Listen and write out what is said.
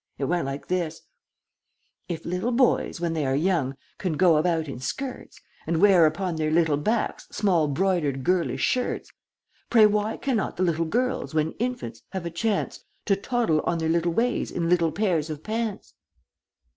It went like this: "'If little boys, when they are young, Can go about in skirts, And wear upon their little backs Small broidered girlish shirts, Pray why cannot the little girls, When infants, have a chance To toddle on their little ways In little pairs of pants?'"